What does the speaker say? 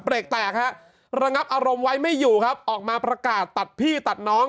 กแตกฮะระงับอารมณ์ไว้ไม่อยู่ครับออกมาประกาศตัดพี่ตัดน้อง